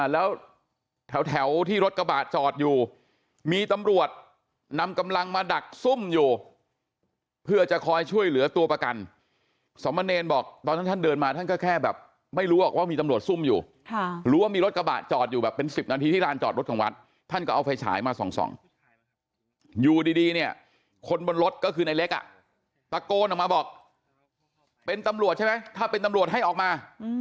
แล้วแถวที่รถกระบะจอดอยู่มีตำรวจนำกำลังมาดักซุ่มอยู่เพื่อจะคอยช่วยเหลือตัวประกันสมเนรบอกตอนนั้นท่านเดินมาท่านก็แค่แบบไม่รู้หรอกว่ามีตำรวจซุ่มอยู่รู้ว่ามีรถกระบะจอดอยู่แบบเป็น๑๐นาทีที่ลานจอดรถของวัดท่านก็เอาไฟฉายมาส่องอยู่ดีเนี่ยคนบนรถก็คือในเล็กอ่ะตะโกนออกมาบอกเป็นตำรวจใช่ไหมถ้าเป็นตำรวจให้ออกมา